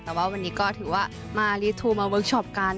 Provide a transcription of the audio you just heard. แต่ว่าวันนี้ก็ถือว่ามารีทูลมาเวิร์คชอปกัน